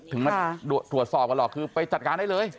มาตรวจสอบกันหรอกคือไปจัดการได้เลย